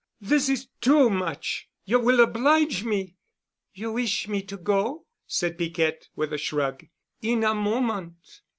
This is too much. You will oblige me——" "You wish me to go?" said Piquette with a shrug. "In a moment.